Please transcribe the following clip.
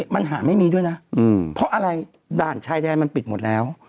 มันหาไม่มีด้วยนะเพราะอะไรด่านชายแดนมันปิดหมดแล้ว